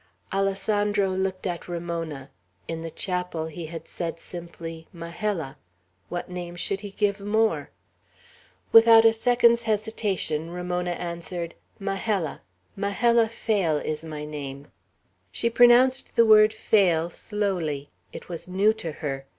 Alessandro looked at Ramona. In the chapel he had said simply, "Majella." What name should he give more? Without a second's hesitation, Ramona answered, "Majella. Majella Phail is my name." She pronounced the word "Phail," slowly. It was new to her.